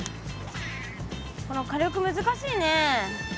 この火力難しいね。